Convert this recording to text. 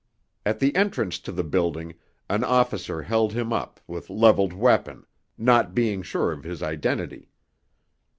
At the entrance to the building an officer held him up with leveled weapon, not being sure of his identity.